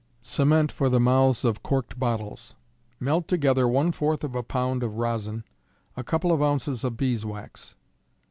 Cement for the Mouths of Corked Bottles. Melt together ¼ of a pound of rosin, a couple of ounces of beeswax.